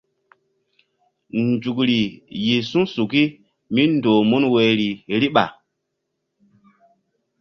Nzukri yih su̧suki míndoh mun woyri riɓa.